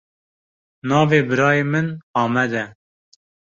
Navê birayê min Amed e.